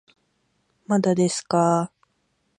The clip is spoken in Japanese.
まだですかー